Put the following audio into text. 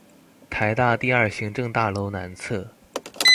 臺大第二行政大樓南側